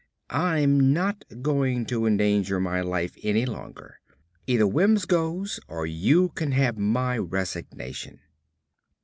I'm not going to endanger my life any longer. Either Wims goes or you can have my resignation."